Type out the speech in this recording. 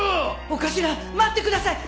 お頭待ってください！